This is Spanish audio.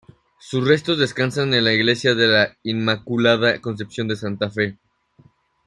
Sus restos descansan en la Iglesia de la Inmaculada Concepción de Santa Fe.